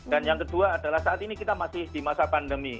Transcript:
dan yang kedua adalah saat ini kita masih di masa pandemi